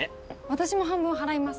私も半分払います。